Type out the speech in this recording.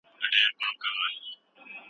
طبيعي شات د ډېرو ناروغیو درمل دي.